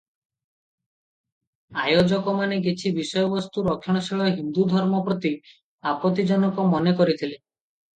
ଆୟୋଜକମାନେ କିଛି ବିଷୟବସ୍ତୁ ରକ୍ଷଣଶୀଳ ହିନ୍ଦୁ ଧର୍ମ ପ୍ରତି ଆପତ୍ତିଜନକ ମନେକରିଥିଲେ ।